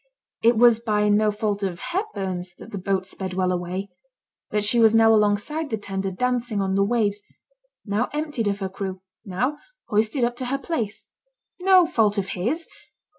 It was by no fault of Hepburn's that the boat sped well away; that she was now alongside the tender, dancing on the waves; now emptied of her crew; now hoisted up to her place. No fault of his!